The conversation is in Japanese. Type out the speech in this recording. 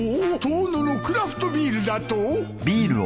遠野のクラフトビールだと！？